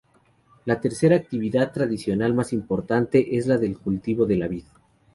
La tercera actividad tradicional más importante es la del cultivo de la vid.